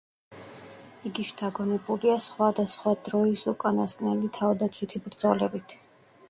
იგი შთაგონებულია სხვადასხვა დროის უკანასკნელი თავდაცვითი ბრძოლებით.